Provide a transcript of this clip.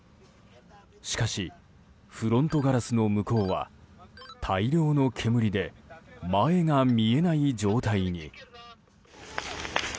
しかしフロントガラスの向こうは大量の煙で前が見えない状態に。